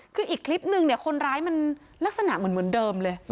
คืออีกคลิปนึงเนี่ยคนร้ายมันลักษณะเหมือนเดิมเลย